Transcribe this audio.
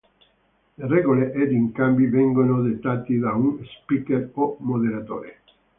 Le regole ed i cambi vengono dettati da uno speaker o moderatore.